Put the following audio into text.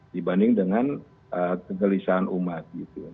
dibanding dengan kegelisahan umat